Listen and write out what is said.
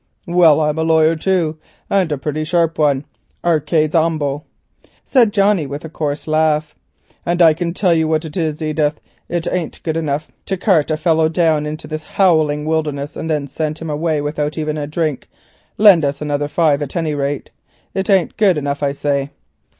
"Well I'm a lawyer too and a pretty sharp one—arcades ambo," said Johnnie with a coarse laugh; "and I tell you what it is, Edith, it ain't good enough to cart a fellow down in this howling wilderness and then send him away without a drink; lend us another fiver at any rate. It ain't good enough, I say."